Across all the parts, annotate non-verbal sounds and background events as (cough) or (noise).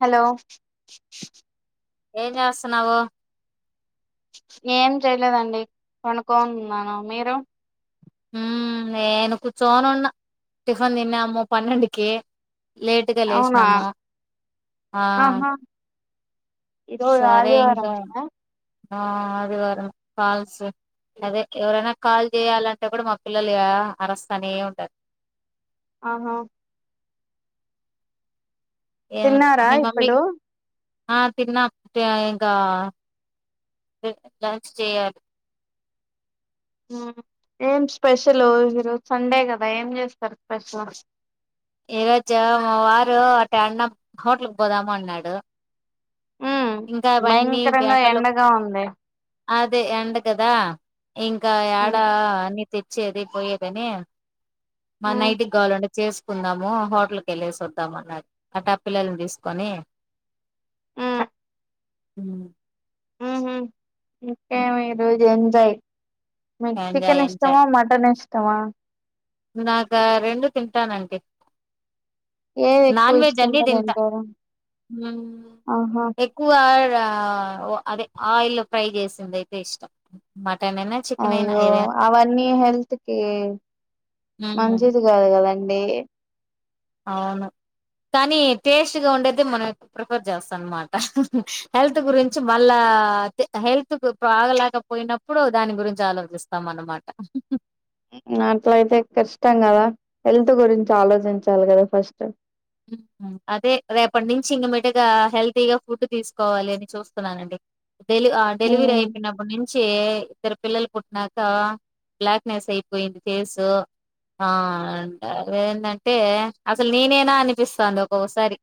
Hello ఏన్సనావో ఏం చెయలేదండి కొనుక్కోనున్నాను మీరు నేను కూర్చోనున్న టిఫన్ తిన్నాము పన్నెండుకి లేటుగా అవునా లేసినాము ఆ ఇదో సరే ఇంకా ఆదివారమ ఆ అదిగారం కాల్స్ అదే ఎవరైనా కాల్ చేయాలంటే కూడా మా పిల్లలు అరస్ అనే ఉంటదు ఆహా తిన్నారా ఇప్పుడు తిన్న ఇంకా లంచ్ చేయాలి ఏం స్పెషల్ ఈరోజు సండే కదా ఏం చేస్తారు స్పెషల్ ఈ రజు వారు అటు అన్నం హోటల్ కు పోదాము అన్నాడు ఉ ఇంకా అవన్నీ భయంకరంగా ఎండలు ఎండగా ఉంది అదే అండ కదా ఇంకా ఉమ్ ఎడా తెచ్చ ఏద పోయ్యేదనేే మా ఉమ్ నైటికి గాలింే చేసుకుందాము హోటల్కి వెళ్ళేసి వద్దాం అన్నారు అట్టపిిల్లల్ని తీసుకొని ఆ హ (inaudible) క రజ ఎంయి ఎంజాయ్ చికన్ ఎంజాయ్ ఇష్టమో మటన్ ఇష్టం తమ నాకు రెండు తింటానండి ఏది ఎక్కువ నాన్ వెజ్ ఇష్టంగా అన్నిదింత తింటారు ఆహా ఎక్కువ అదే ఆయిల్ ఫ్రై చేసింది అయితే ఇష్టం మటన్ అయినా చికెన్ అయినా అయ్యో ఏదైనా అవన్నీ హెల్త్ కి ఉమ్ మంచిది కాదు కదండి అే అవును కానీ టేస్ట్గా ఉండేది మనం ప్రిఫర్ చేస్తాం అన్నమాట హెల్త్ గురించి మళ్ళా ఆ హెల్త్ ఆగలేకపోయినప్పుడు దాని గురించి ఆలోచిస్తాం అన్నమాట అట్లయితే కష్టం కదా హెల్త్ గురించి ఆలోచించాలి కదా ఫస్ట్ అదే రేపటి నుంచి ఇంక మటుగా హెల్తీగా ఫుడ్ తీసుకోవాలి అని చూస్తున్నానండి డెలి ఆ డెలివరీ మ్మ్ అయిప్పుడుేను ఇద్దరు పిల్లలు పుట్టిక బ్లాక్నెస్ అయిపోయింది ఫేసు అ అేంటంటే అసలు నేనేనా అ చూిస్తాంది ఒక్కసారి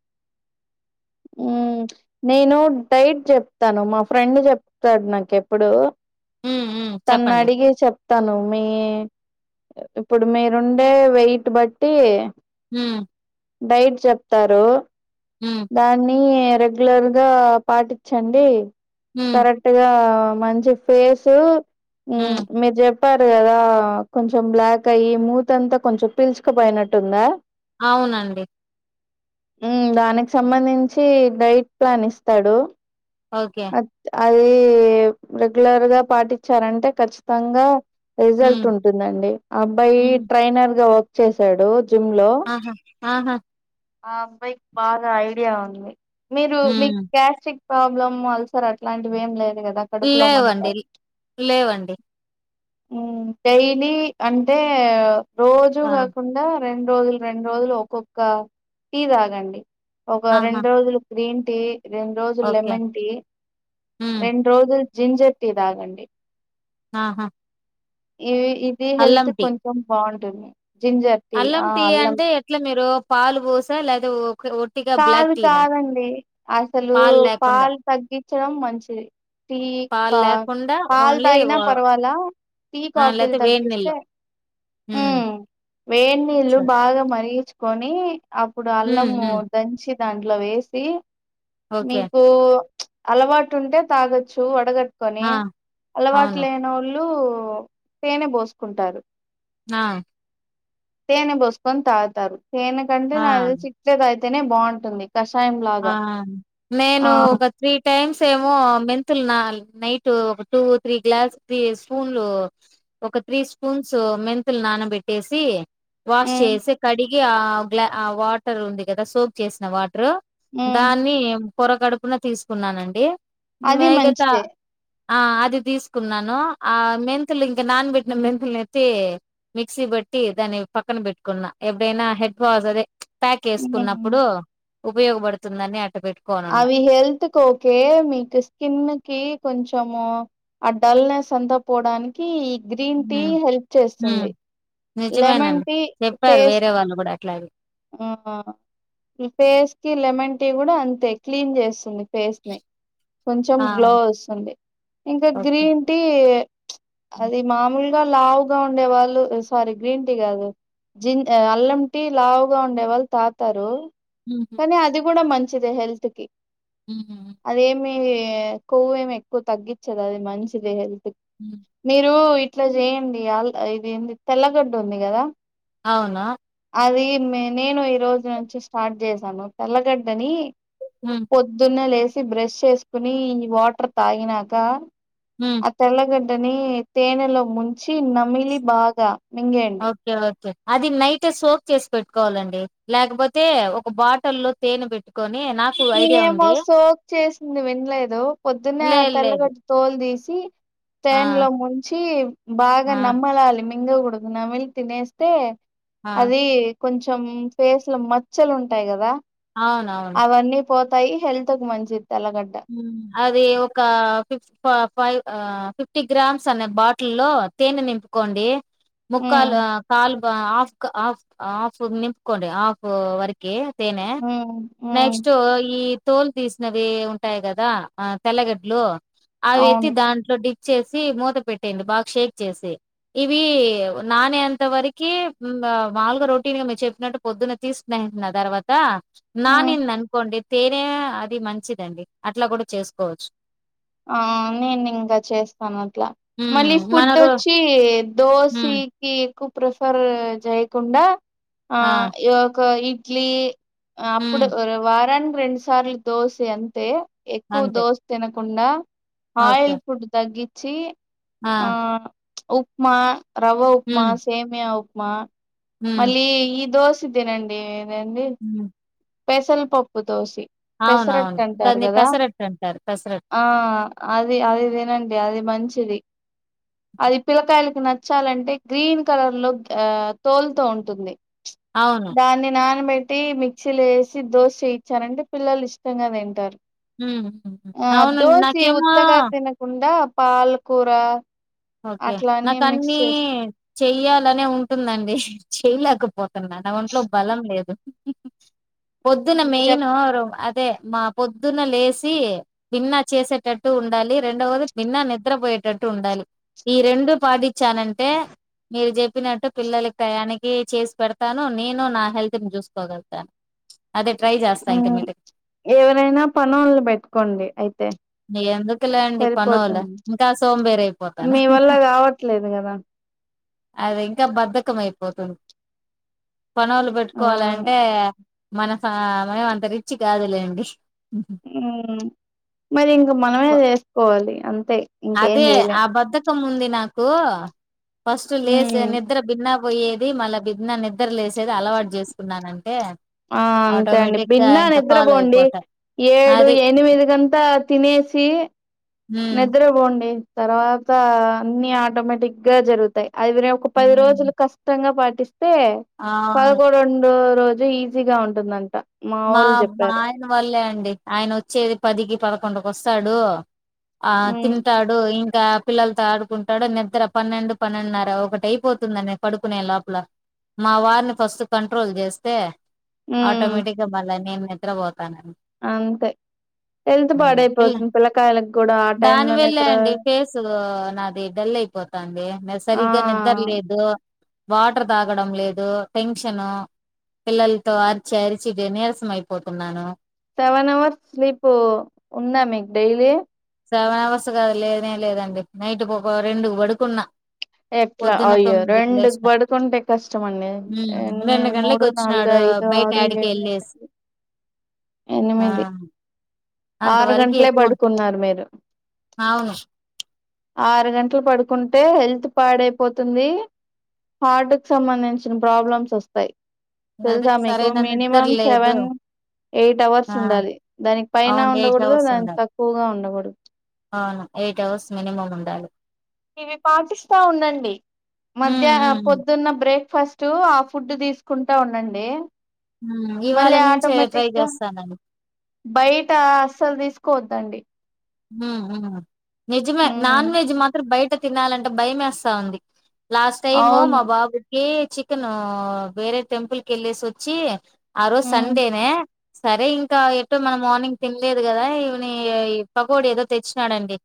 నేను డైట్ చెప్తాను మా ఫ్రెండ్ చెప్తాడు నాకుెప్పుడు హ్మ్ హ్మ్ తను చెప్పండి. అడిగే చెప్తాను మీే ఇప్పుడు మీరుండే వెయిట్ బట్టి హ డైట్ చెప్తారు హ్మ్ దాన్ని రెగ్యులర్ గా పాటించండి హ్మ్ కరెక్ట్ గా మంచి ఫేసు హు హ్మ్ మిర్జెప్ చెప్పారు కదా కొంచెం బ్లాక్ అయి ముతంత కొంచెం పీల్చుకపోయినట్టుందా. అవునండి ఊ దానికి సంబంధించి డైట్ ప్లాన్ ఇస్తాడు ఓకే అద్- అది రెగ్యులర్ గా పాటి చ్చరంటే ఖచ్చితంగా హ్మ్ రిజల్ట్ ఉంటుందండి అబ్బాయి హ్మ్ ట్రైనర్ గా వ చేశాడు. జిమ్ లో ఆహా! ఆహా ఆ అబ్బాయికి బాగా ఐడియా ఉంది మీరు మీ హ్మ్ క్యాస్టిక్ ప్రాబ్లమ్ అల్సర్ అట్లాంటివి ఏం లేవ్ లేవండి లేవండి మ్మ్ డైలీ అంటే రోజూ ఆ! కాకుండా రెండు రోజులు రెండు రోజులు ఒక్కొక్క టీ తాగండి ఒక ఆహా! రెండు రోజులు గ్రీన్ టే రెండు రోజులు ఓకే. లెమన్ టీ హ్మ్ రెండు రోజుల్ జింజర్ టీ తాగండి ఆహా ఏవి ఇది అల్లం హెల్త్ టీ. కొంచెం బాగుం ద్దున్నే అల్లం టీ అంటే ఎట్లా మీరు పాలు వోసా లేదో కాదు కాదండి అసలు పాలు లేకుండా పాలు తగ్గించడం మంచిది. టీ పాలు కా లేకుండా పాలు ఓన్లీ తగిన పర్వాలా టీ ఆ కాఫీలు లేతే వేడి తగ్గిస్తే నీళ్ళు హ్మ్, వేడి నీళ్ళు బాగా మరిగిచ్ కొని అప్పుడు హ్మ్ అల్లము హ్మ్ దంచి దాంట్లో వేసి ఓకే మీకు అలవాటు ఉంటే తాగొచ్చు వడగట్ కొని ఆ అలవాట్ అవును లేనొళ్ లో తేనె బోసుకుంటారు ఆ తేనే బోసుకొని తాగుతారు తేనె కంటే ఆ నాకుతెలిసి ఇట్లే దాగి తే నే బాగుంటుంది కషాయం ఆ లాగా నేను ఆ ఒక త్రీ టైమ్స్ సేమో మెంతులు నా నైట్ ఒక టూ, త్రీ గ్లాస్, త్రీ స్పూన్లు ఒక త్రీ స్పూన్స్ మెంతులు నానబెట్టేసి, వాష్ ఉమ్ చేసి కడిీగి ఆ గ్లా ఆ వాటర్ ఉంది కదా సోప్ చేసిన వాటర్ ఉమ్ దాన్ని పొర కడుపున తీసుకున్నానండి అది మిగతా మంచిదే ఆ అది తీసుకున్నాను ఆ మెంతులు ఇంకా నాన్బెట్టిన మెంతుల్ని ఎత్తి మిక్సీ పెట్టి దాన్ని పక్కన పెట్టుకున్నా ఎప్పుడైనా హెడ్ వాస్ అదే ప్యాక్ ఉమ్ వేసుకున్నప్పుడు ఉపయోగపడుతుందని అ అవి హెల్త్ కి ఓకే మీకు స్కిన్ కి కొంచెం ఇష్టము డల్ నెస్ అంతా పోవడానికి గ్రీన్ టీ హ్మ్. హెల్ప్ హ్మ్. చేస్తుంది లెమన్ టీ ఫేస్ ఇట్లాగే ఈ ఫేస్ కి లెమన్ టీ కూడా అంతే క్లీన్ చేస్తుంది ఫేస్ ని. కొంచెం ఆ! గ్లో వస్తుంది ఇంకా ఓకే. గ్రీన్ టీ హ్మ్. అది మామూలు ఇంకా లావుగా ఉండే వాళ్లు సారీ గ్రీన్ టీ కాదు జీ అల్లం టీ లావ్ గా ఉండే వాళ్ళు తాతారు. హుహు. కానీ అది కూడా మంచి ఇది హెల్త్ కి ఊహు ఇవి కొవ్వు ఏమి ఎక్కువ తగ్గించదు అది మంచిదే హ్మ్. మీరు ఇట్లా చేయండి అ ఇది ఏందిది తెల్లగడ్డ ఉంది కదా. అవునా అది నేను నేను ఈ రోజు నుంచి స్టార్ట్ చేశాను తెల్లగడ్డని. హ్మ్. పొద్దున్నే లేస్ బ్రష్ చేసుకుని ఇవి వాటర్ తాగినాక హ్మ్. ఆ తెల్లగడ్డ వంటని తేనెలో ముంచి నమిలి బాగా. మింగేయండి ఓకే ఓకే అది నైట్ సోప్ చేసి పెట్టుకోవాలండి. లేకపోతే ఒక బాటి లో తేనె పెట్టుకని నేనేమో సోప్ చేసుకొ. నువ్వు వినలేదు పొద్దున్నే లేదు లేదు. తెల్లగడ తోలు తీసి (unintelligible) ఆ! తేనెలో ముంచి బాగా ఆ! నమ్మలాలి. (unintelligible) నమిలి తినేస్తే ఆ అది కొంచెం ఫేస్ లో మచ్చలు ఉంటాయి కదా. అవ్నవును. అవన్నీ పోతాయి హెల్త్ కు మంచిది. తెల్లగడ్డ అది ఒక (unintelligible) ఫైవ్. ఆ ఫిఫ్టీ గ్రామ్స్ అనే బాటిల్లో తేనె నింపుకోండి. ఉమ్ ముక్కాలు కాల్ ఆఫ్ ఆఫ్ ఆఫ్ నింపుకోండి ఆఫ్ వరకే తేనే ఉమ్ ఉమ్ నెక్స్ట్ఈ తోలు తీసినవి ఉంటాయి కదా ఆ తెల్లగడ్లు అవి ఎత్తి అవును దాంట్లో డి చేసి మూత పెట్టేడి బాగా షేక్ చేసి ఇవి నానేంత వరకి మాముగా రొటీన్ చెప్పినట్టు పొద్దున్న తీసుకునేు తర్వాత ఉమ్ నానిందని అనుకోండి తేనే అది మంచిదండి అట్లా కూడా చేసుకోవచ్చు ఆ, నేను ఇంకా చేస్తాను. అట్లా మళ్ళీ ఉమ్ మన ఫుడ్ రో వచ్చి.. ఉమ్ దోసికి ఏకు ప్రిఫర్ జయకుండా ఆ యొక్క ఈప్ డ్లీ ఆ అప్పుడు ఉమ్ వారానికి రెండు సార్లు దోసె అంతే ఎక్కువ అంతే దోశ తినకు కుండా ఓకే ఆయిల్ ఫుడ్ తగ్గి ఛీ ఆ ఉప్మా రవ్వ ఉప్మా ఉమ్ సేమ్యా ఉప్ మా.. ఉమ్ మళ్లీ ఈ దోస తినండి ఏందీ ఉమ్ పెషల్ పప్పు దోసి అవునవును పెసరట్టు అంటారు దాన్ని కదా, పెసరట్టు అంటారు పెసరట్టు ఆ అది అది తినండి అది మంచిది. అది పిల్లకాయలకి నచ్చాలంటే, గ్రీన్ కలర్ లో ఆ తోలుతో ఉంటుంది అవును దాన్ని నాన్నబె టీబి మీక్సీ లేసి దోశ చేయిచ్చారంటే పిల్లలు ఇష్టంగా తింటారు హ్మ్. హ్మ్. హ్మ్. ఆ అవునండి. దోసి నాకేమో ఊతగా తినకుండా పాలకూర ఓకే అట్లా అన్నీ నాకు మిక్స్ అన్నిీ చేస్ చెయ్యాలనే ఉంటుందండి చేయలేకపోతున్నా నా ఒంట్లో బలం లేదు పొద్దున ఇది చెప్ మెయిన అదే మా పొద్దున లేచి విిన్నా చేసేటట్టు ఉండాలి రెండవది విిన్నా నిద్రపోయేటట్టు ఉండాలి ఈ రెండు పాటిచ్చానంటే మీరు చెప్పినట్టు పిల్లల టయానికి చేసి పెడతాను నేను నా హెల్త్ ని చూసుకోగలతాను అదే ట్రై చేస్తా ఇంకా మ్ మీటి ఎవరైనా పనోళ్ళని పెట్టుకోండి అయితే ఎందుకులేండి పనోలు సరిపోతుంది ఇంకా సోంబేర్ అయిపో మీ వల్ల కావట్లేదు కదా అది ఇంకా బద్ధకం అయిపోతుంది పనోళ్లు ఆ పెట్టుకోవాలంటే మన ఫ్యామ్ మనం అంత రిచ్ కాదులేండి మరి ఇంక మనమే చేసుకోవాలి అంతే ఇంకేం అదే చేయలేం ఆ బద్ద కం ఉంది నాకు ఫస్ట్ లేేస్ మ్ నిద్ర భిన్న పోయేది మళ్ళ బి నిద్రలే వసేది అలవాటు చేసుకున్నానంటే ఆ అంతే అండి ఆటోమేటిక్ గా బిన్న ఇంకా ఫాలో నిద్రపోండి అయిపోతా ఏడు అది ఎనిమిది గంతా తినేసి హ్మ్ నిద్ర పోండి తర్వాత అన్ని ఆటోమేటిక్ గా జరుగుతాయి అది ఒక పది రోజులు హ్మ్. కష్టంగా ప అయితే అవును పడుకో రొండో రోజు ఇదే ఈజీగా ఉంటుందంట మా వోళ్ళు మా చెప్పారు ఆయన వల్లే అండి ఆయన వచ్చేది పదికి పదకొడుకి వస్తాడు ఆ ఉమ్ తింటాడు ఇంకా పిల్లలతో ఆడుకుంటాడు నిద్ర పన్నెండు పన్నెండున్నర ఒకటి అయిపోతుందం పడుకునే లోపల మా వారిని ఫస్ట్ కంట్రోల్ చేస్తే ఉమ్ ఆటోమేటిక్ నేను నిద్ర పో తాను అంతే హెల్త్ ల పాడైపోతుంది పిల్లకాయలకు కూడా ఆ టైమ్ లో దానివేళ నిద్ర అండి ఫేస్ నాది డల్ అయిపోతాండి ఆ సరిగ్గా నిద్రలేదు వాటర్ తాగడం లేదు టెన్షను పిల్లలతో అరిచి అరి చ్చ నీరసం అయిపోతున్నాను సెవెన్ అవర్స్ స్లీప్ ఉందా మీకు డైలీ సెవెన్ అవర్స్ కదా లేద లేదండి నైట్ ఒక రెండు పడుకున్నా ఎట్లా పొద్దున్న అయ్యో తొమ్మిదికి రెండు లేసిన పడుకుంటే కష్టం అండి హ్మ్ రెండు ఎనిమిది గంటలకి మూడు నాలుగు వచ్చినాడు ఐదు బయట ఆరు యాడికి ఏడు వెళ్ళేసి ఎనిమిది ఆ ఎనిమిది ఆరు అంతవరకు గంటలే ఎక్కువ పడుకున్నారు మీరు అవును ఆరు గంటలు పడుకుంటే హెల్త్ బాడ్ అయిపోతుంది హార్ట్ క సంబంధించిన ప్రాబ్లమ్స్ వస్తాయి అదే తెలుసా మీకు సరైన నిద్ర మినిమం లేదు సెవెన్ ఎయిట్ అవర్స్ ఆ ఉండాలి దాని పైనా అవును ఎయిట్ ఉండకూడదు అవర్స్ దాని ఉండాలి తక్కువగా ఉండకూడదు అవును ఎయిట్ అవర్స్ మినిమమ్ ఉండాలి ఇవి పాటిస్తా ఉందండి మధ్య హ్మ్ హ్మ్ పొద్దున్న బ్రేక్ ఫస్ట్ ఆ ఫుడ్ తీసుకుంటా ఉండండి హ్మ్ ఇవాళ మళ్ళీ నుంచే ట్రై ఆటోమేటిక్గా చేస్తానండి బయట అస్సలు తీసు కోద్దండి హ్మ్ మ్మ్ నిజమే ఉమ్ నాన్ వెజ్ మాత్ర బయట తినాలంటే భయం వేస్తో ఉంది లాస్ట్ టైమ్ మా అవును బాబు కే చికెన్ వేరే టెంపుల్ క వెళ్ళేసి వచ్చి ఆ రోజు ఉమ్ సండేనే సరే ఇంకా ఎటో మనం మార్నింగ్ తినలేదు కదా ఈవిని పగడి ఏదో తెచ్చినాడంండి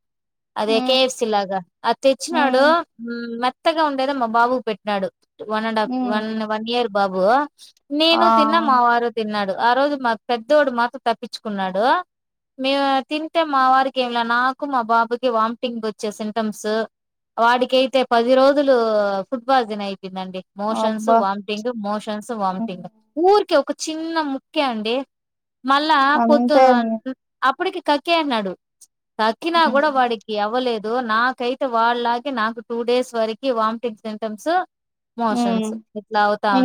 అదే ఉమ్ కెఎఫ్‌సి లాగా అదే తెచ్చి ఉమ్ నాడు మ కొత్తగా ఉండేదో మా బాబు పెట్టినాడు one and half um one one year బాబు ఆ నేను తిన్నా మా వారు తిన్నాడు ఆ రోజు మా పెద్దోడు మాత్రం తప్పించుకున్నాడు మేము తి అయితే మా వారికి ఏమి నాకు మా బాబుకి వామిటింగ్ వచ్చే సిమ్ంటమ్స్ వాడికైతే పది రోజులు ఫుడ్ బాజిన్ అయి అయిందండి మోషన్స్ అబ్బా వామిటింగ్ మోషన్స్ ఉమ్, వామిటింగ్ ఊరికి ఒక చిన్న ముక్కే అండి మళ్ళా పొత్తు అంతే అండి అప్పటికి కేర్నాడు అక్కినా కూడా ఉమ్. వాడికి అవ్వలేదు నాకైతే వాళ్ళకి నాకు టూ డేస్ వరకి వామిటింగ్ సిటమ్స్ ఉ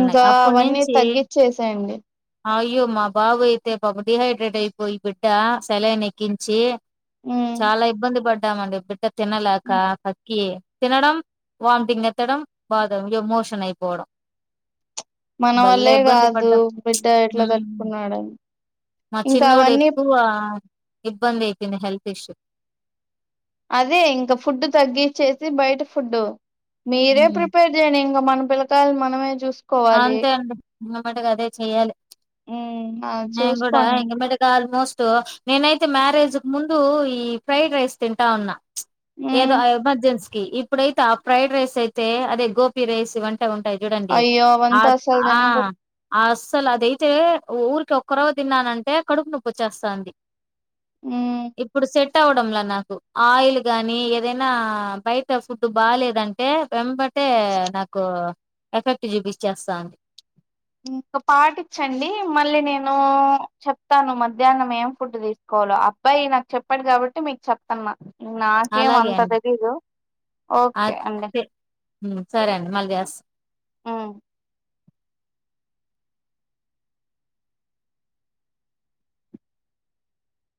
ఉన్నాయి అప్పటి అవన్నీ నుంచి తగ్గిచ్చసేయండి అయ్యో మా బాబు అయితే పాపం డిహైడ్రేట్ అయిపోయి బిడ్డ సెలైన్ కిించి ఉమ్ చాలా ఇబ్బంది పడ్ మండి బిడ్డ తినలేక కక్క కి తినడం వామిటింగ్ ఎత్తడం బాధ ఇ మోషన్ అయిపోవడం మన భలే వల్లే ఇబ్బంది కాదు పడ్డాం బిడ్డ ఎట్లా హ్మ్ తట్టుకున్నాడని మా ఇంకా చిన్నోడు అవన్నీ ఎక్కువ ఇబ్బంది ఎయిపిన హెల్త్ ఇష్యూ అదే ఇంకా ఫుడ్ తగ్గిచ్చేసి బయట ఫుడ్డు మీరే హ్మ్ ప్రిపేర్ చేయండి ఇంక మన పిల్లకాయల్ని మనమే చూస్ అంతే అండి మ అమాటకు అదే చెయ్యాలి ఉమ్ ఆ న కూడా చూసుకోండి ఇంగ మట కాల్ మోస్ట్ నేనైతే మ్యారేజ్ క ముందు ఈ ఫ్రైడ్ రైస్ తింటా ఉన్నా ఉమ్ ఏదో ఎమర్జెన్స ఇప్పుడైతే ఆ ఫ్రైడ్ రైస్ అయితే అదే గోపి రైస్ వంటి అ ఉంటాయి చూడండి అయ్యో అ అవంతా అసలు ఆ తినకూడదు అ అసలు అదయితే ఊరికి ఒక్కరవ తిన్నానంటే కడుపు నొప్పి వచ్చేస్తాండి ఉమ్ ఇప్పుడు సెట్ వడం నాకు ఆయిల్ గాని ఏదైనా బయట ఫుడ్ బాలేదంటే వెంబట్ అతే నాకు ఎఫెక్ట్ చిప్స్ చేస్తాంది ఇంక పాటిచ్చండి మళ్ళీ నేను చెప్తాను మధ్యాహ్నం ఏం ఫుడ్ తీసుకోవాలో అబ్బాయి నాకు చెప్పాడు కాబట్టి మీకు చెప్తున్న నాకేం అలాగే అంత అండి తెలీదు ఒకే అండి హమ్ సరే అండి మళ్ళీ చేస్త ఆ